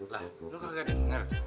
lah lo kagak denger